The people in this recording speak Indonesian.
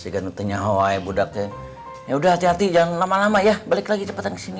hawai budaknya ya udah hati hati jangan lama lama ya balik lagi cepetan kesini